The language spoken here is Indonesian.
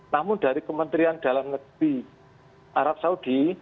namun dari kementerian dalam negeri arab saudi